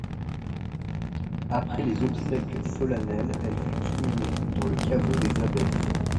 Après les Obsèques solennelles, elle fut inhumée dans le caveau des abbesses.